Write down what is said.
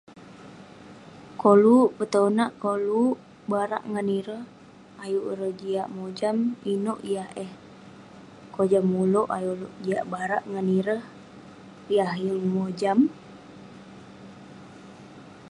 Koluk petonak, koluk barak ngan ereh ayuk ireh jiak mojam. inouk yah eh kojam ulouk ,ayuk ulouk jiak barak ngan ireh yah yeng mojam.